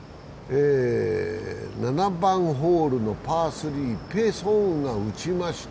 ７番ホールのパー３、ペ・ソンウが打ちました。